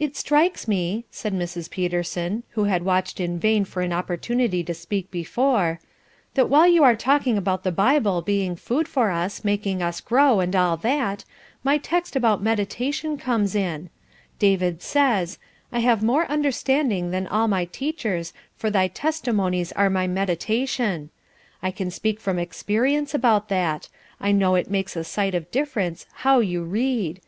"It strikes me," said Mrs. Peterson, who had watched in vain for an opportunity to speak before, "that while you are talking about the Bible being food for us, making us grow, and all that, my text about meditation comes in; David says, 'I have more understanding than all my teachers, for thy testimonies are my meditation.' I can speak from experience about that; I know it makes a sight of difference how you read.